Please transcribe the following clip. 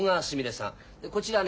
こちらね。